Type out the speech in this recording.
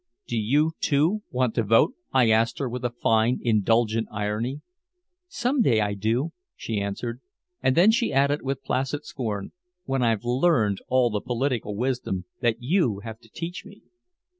"Do you, too, want to vote?" I asked her, with a fine, indulgent irony. "Some day I do," she answered. And then she added with placid scorn, "When I've learned all the political wisdom that you have to teach me."